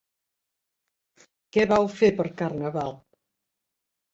Què vau fer per Carnaval?